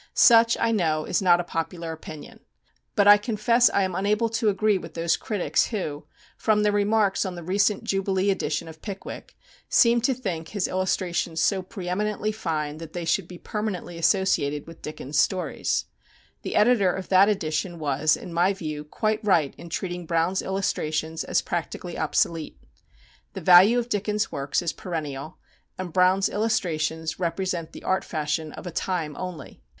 Such, I know, is not a popular opinion. But I confess I am unable to agree with those critics who, from their remarks on the recent jubilee edition of "Pickwick," seem to think his illustrations so pre eminently fine that they should be permanently associated with Dickens' stories. The editor of that edition was, in my view, quite right in treating Browne's illustrations as practically obsolete. The value of Dickens' works is perennial, and Browne's illustrations represent the art fashion of a time only.